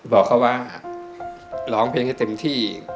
บอกเขาว่าร้องเพลงให้เต็มที่